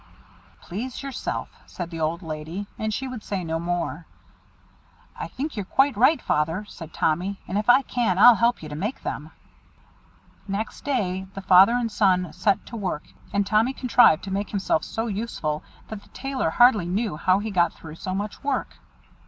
"Please yourself," said the old lady, and she would say no more. "I think you're quite right, Father," said Tommy, "and if I can, I'll help you to make them." Next day the father and son set to work, and Tommy contrived to make himself so useful, that the Tailor hardly knew how he got through so much work.